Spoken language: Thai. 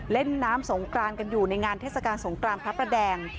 เล่นน้ำสงกรานกันอยู่ในงานเทศกาลสงกรานพระประแดง